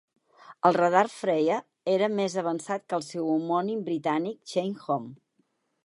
El radar "Freya" era més avançat que el seu homònim britànic, Chain Home.